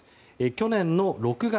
去年の６月。